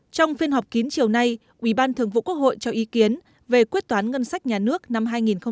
trong phiên họp kín chiều nay ủy ban thường vụ quốc hội cho ý kiến về quyết toán ngân sách nhà nước năm hai nghìn một mươi bảy